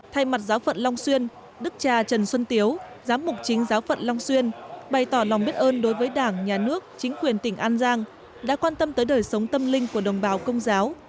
thay mặt giáo phận long xuyên đức cha trần xuân tiếu giám mục chính giáo phận long xuyên bày tỏ lòng biết ơn đối với đảng nhà nước chính quyền tỉnh an giang đã quan tâm tới đời sống tâm linh của đồng bào công giáo